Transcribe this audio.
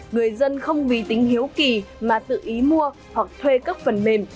người dân không vì tính hiếu kỳ mà tự ý mua hoặc thuê các phần mềm